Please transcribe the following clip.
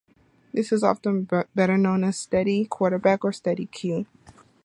This is often better known as a "Steady Quarterback" or "Steady Q".